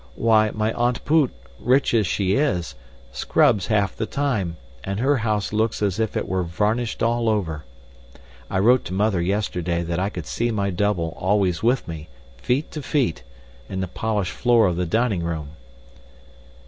Why, my Aunt Poot, rich as she is, scrubs half the time, and her house looks as if it were varnished all over. I wrote to mother yesterday that I could see my double always with me, feet to feet, in the polished floor of the dining room."